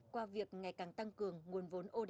qua việc ngày càng tăng cường nguồn vốn oda